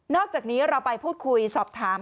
อกจากนี้เราไปพูดคุยสอบถาม